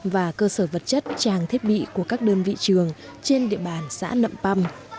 và cơ sở vật chất tràng thiết bị của các đơn vị trường trên địa bàn xã lậm păm